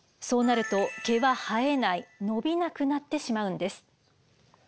そうなると毛は生えない伸びなくなってしまうんです。